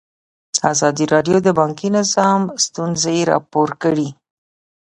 ازادي راډیو د بانکي نظام ستونزې راپور کړي.